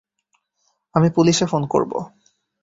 আমি পুলিশে ফোন করব!